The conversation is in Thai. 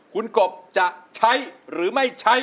กลับมาเมื่อเวลาที่สุดท้าย